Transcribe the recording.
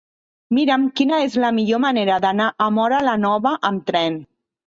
Mira'm quina és la millor manera d'anar a Móra la Nova amb tren.